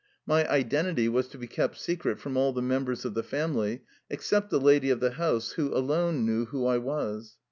My identity was to be kept secret from all the members of the family, ex cept the lady of the house, who alone knew who I was.